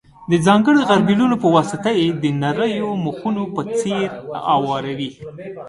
د ځانګړو غربیلونو په واسطه یې د نریو مخونو په څېر اواروي.